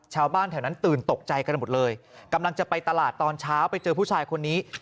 ชาวบ้านแถวนั้นตื่นตกใจกันหมดเลยกำลังจะไปตลาดตอนเช้าไปเจอผู้ชายคนนี้